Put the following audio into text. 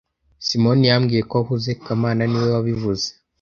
Simoni yambwiye ko ahuze kamana niwe wabivuze